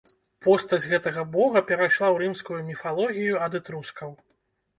Постаць гэтага бога перайшла ў рымскую міфалогію ад этрускаў.